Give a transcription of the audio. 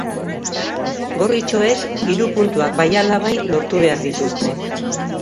Gorritxoek hiru puntuak bai ala bai lortu behar dituzte.